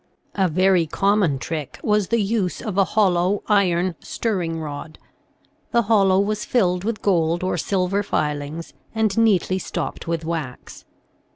A very common trick was the use of a hollow, iron stirring rod ; the hollow was filled with gold or silver filings, and neatly stopped with wax.